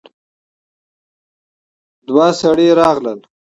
دوه سړي راغلل.